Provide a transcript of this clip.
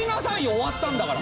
終わったんだから。